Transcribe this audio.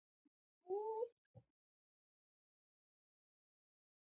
خلک خپل اولادونه جوماتونو ته استوي.